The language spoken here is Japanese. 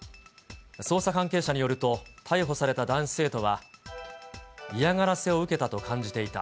捜査関係者によると、逮捕された男子生徒は、嫌がらせを受けたと感じていた。